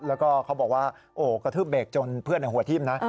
แล้วก็เขาบอกว่าโอ้กระทืบเบรกจนเพื่อนหัวทิ้มนะ